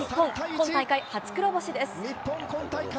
今大会、初黒星です。